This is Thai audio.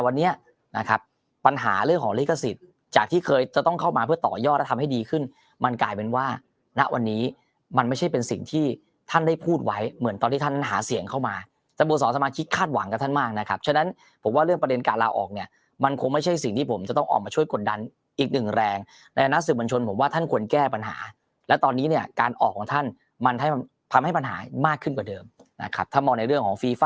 นี้นะครับปัญหาเรื่องของลิขสิทธิ์จากที่เคยจะต้องเข้ามาเพื่อต่อยอดทำให้ดีขึ้นมันกลายเป็นว่าณวันนี้มันไม่ใช่เป็นสิ่งที่ท่านได้พูดไว้เหมือนตอนที่ท่านหาเสียงเข้ามาจะโบสถ์สมาชิกคาดหวังกับท่านมากนะครับฉะนั้นผมว่าเรื่องประเด็นการลาออกเนี่ยมันคงไม่ใช่สิ่งที่ผมจะต้องออกมาช่วยกดดันอีกหนึ่งแร